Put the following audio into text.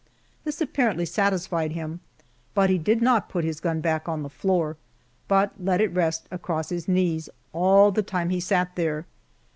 This apparently satisfied him, but he did not put his gun back on the floor, but let it rest across his knees all the time he sat there.